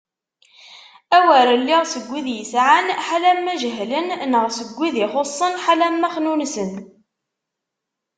A wer iliɣ seg wid yesɛan ḥalama jehlen neɣ seg wid ixuṣṣen ḥalama xnunesen.